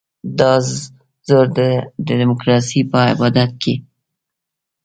دا زور د ډیموکراسۍ په عبادت کې.